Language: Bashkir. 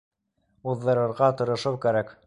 Уҙҙырырға тырышыу кәрәк!